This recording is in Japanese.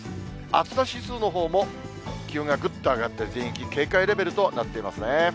暑さ指数のほうも、気温がぐっと上がって、全域、警戒レベルとなっていますね。